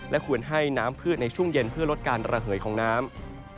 ควรให้น้ำพืชในช่วงเย็นเพื่อลดการระเหยของน้ำ